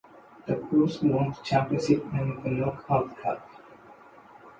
The Gulls won the Championship and the Knockout Cup.